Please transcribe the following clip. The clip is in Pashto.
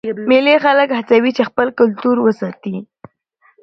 مېلې خلک هڅوي چې خپل کلتور وساتي.